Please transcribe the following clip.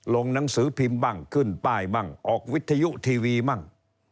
หนังสือพิมพ์บ้างขึ้นป้ายมั่งออกวิทยุทีวีบ้าง